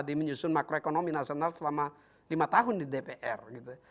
di menyusun makroekonomi nasional selama lima tahun di dpr gitu